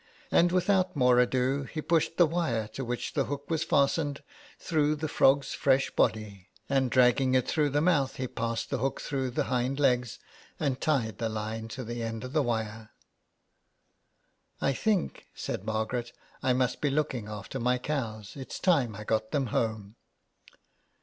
And without more ado he pushed the wire to which the hook was fastened through the frog's fresh body, and dragging it through the mouth he passed the hooks through the hind legs and tied the line to the end of the wire. " I think," said Margaret, " I must be looking after my cows ; its time I got them home."